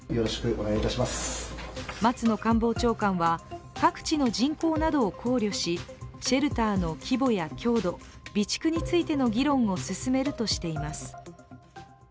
松野官房長官は、各地の人口などを考慮し、シェルターの規模や強度備蓄についての議論を進めるとしています。